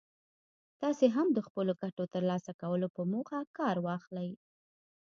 تاسې هم د خپلو ګټو ترلاسه کولو په موخه کار واخلئ.